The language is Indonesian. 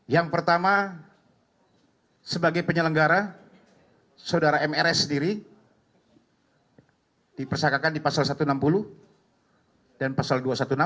yang pertama sebagai penyelenggara saudara mrs sendiri dipersangkakan di pasal satu ratus enam puluh dan pasal dua ratus enam belas